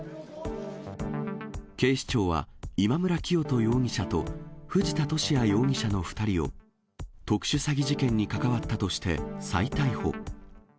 警視庁は、今村磨人容疑者と藤田聖也容疑者の２人を、特殊詐欺事件に関わったとして再逮捕。